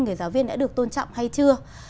người giáo viên đã được tôn trọng hay chưa